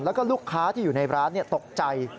แล้วก็ลูกค้าที่อยู่ในร้านตกใจ